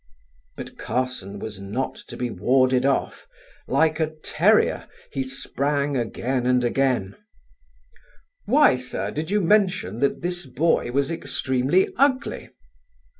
But Carson was not to be warded off; like a terrier he sprang again and again: "Why, sir, did you mention that this boy was extremely ugly?"